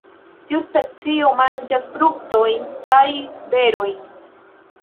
Tiu specio manĝas fruktojn kaj berojn.